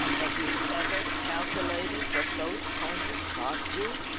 Have you ever calculated what those ponies cost you?"